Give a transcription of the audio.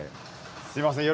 すいません。